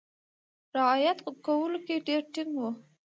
رعایت کولو کې ډېر ټینګ وو.